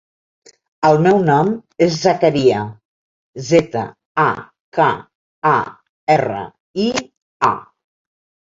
El meu nom és Zakaria: zeta, a, ca, a, erra, i, a.